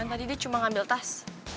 tadi dia cuma ngambil tas